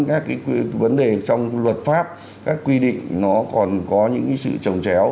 các cái vấn đề trong luật pháp các quy định nó còn có những sự trồng chéo